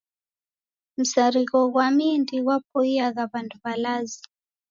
Msarigho gwa mindi gwapoiyagha w'andu w'alazi.